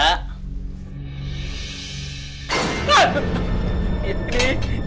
nanti aku beli satu satunya